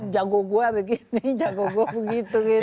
jago gue begini jago gue begitu